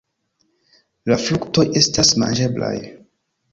La fruktoj estas manĝeblaj.